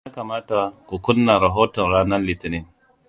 Ya kamata ku kunna rahoton ranar Litinin.